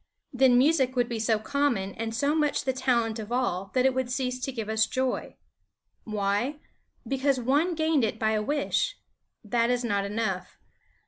Then music would be so common and so much the talent of all that it would cease to give us joy. Why? Because one gained it by a wish. That is not enough.